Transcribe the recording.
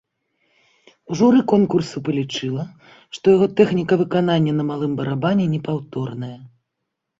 Журы конкурсу палічыла, што яго тэхніка выканання на малым барабане непаўторная.